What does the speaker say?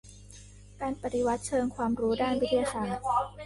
การปฏิวัติเชิงความรู้ด้านวิทยาศาสตร์